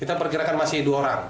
kita perkirakan masih dua orang